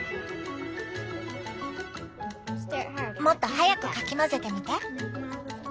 もっと速くかき混ぜてみて。